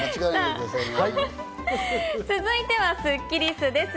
続いてはスッキりすです。